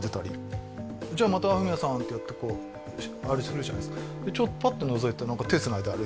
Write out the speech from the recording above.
「じゃあまたフミヤさん」ってやってあれするじゃないですか